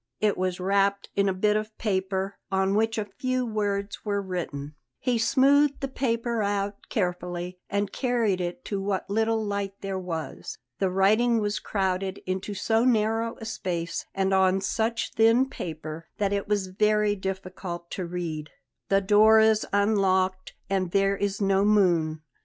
It was wrapped in a bit of paper, on which a few words were written. He smoothed the paper out carefully and carried it to what little light there was. The writing was crowded into so narrow a space, and on such thin paper, that it was very difficult to read. "The door is unlocked, and there is no moon.